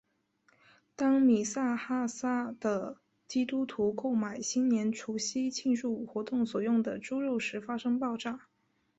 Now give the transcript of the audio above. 当米纳哈萨的基督徒购买新年除夕庆祝活动所用的猪肉时发生爆炸。